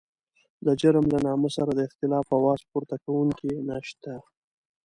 د جرم له نامه سره د اختلاف اواز پورته کوونکی نشته.